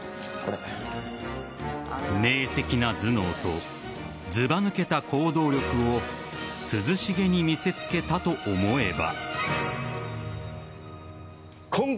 明晰な頭脳とずば抜けた行動力を涼しげに見せつけたと思えば。